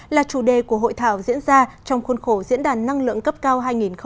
là chủ đề của hội thảo diễn ra trong khuôn khổ diễn đàn năng lượng cấp cao hai nghìn hai mươi